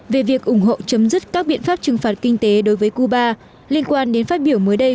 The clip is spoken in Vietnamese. về việc ủng hộ chấm dứt các biện pháp trừng phạt kinh tế đối với cuba liên quan đến phát biểu mới đây